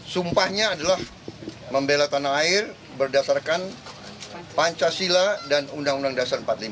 sumpahnya adalah membela tanah air berdasarkan pancasila dan undang undang dasar empat puluh lima